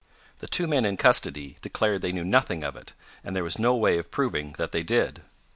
The two men in custody declared they knew nothing of it, and there was no way of proving that they did.